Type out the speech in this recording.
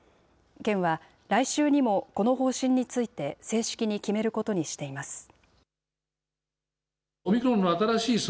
県は来週にもこの方針について正式に決めることにしています。